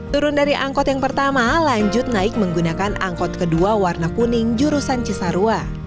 turun dari angkot yang pertama lanjut naik menggunakan angkot kedua warna kuning jurusan cisarua